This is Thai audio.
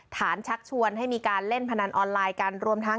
ฐานชักชวนให้มีการเล่นพนันออนไลน์กัน